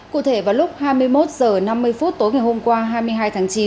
cụ thể vào lúc hai mươi một h